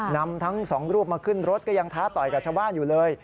นำทั้งสองรูปมาขึ้นรถก็ยังท้าต่อยกับชาวบ้านอยู่เลย